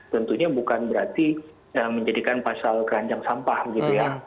tentunya bukan berarti menjadikan pasal keranjang sampah gitu ya